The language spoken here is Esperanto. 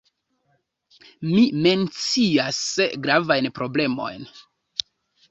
Mi mencias gravajn problemojn.